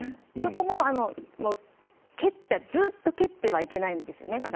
そこもずっと蹴ってはいけないんですよね。